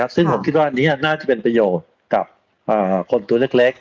ซึ่งผมคิดว่าอันนี้น่าจะเป็นประโยชน์กับคนตัวเล็ก